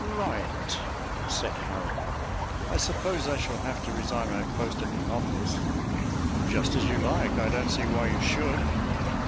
"Right," said Harold. "I suppose I shall have to resign my post at the office?" "Just as you like. I don't see why you should."